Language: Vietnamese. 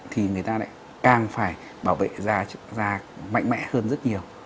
thì người ta lại càng phải bảo vệ da mạnh mẽ hơn rất nhiều